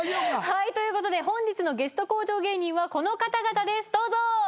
はいということで本日のゲスト向上芸人はこの方々ですどうぞ！